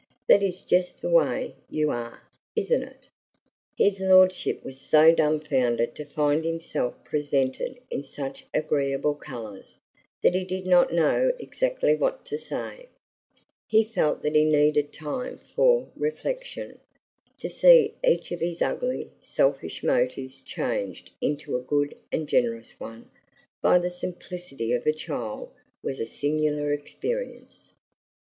That is just the way you are, isn't it?" His lordship was so dumfounded to find himself presented in such agreeable colors, that he did not know exactly what to say. He felt that he needed time for reflection. To see each of his ugly, selfish motives changed into a good and generous one by the simplicity of a child was a singular experience.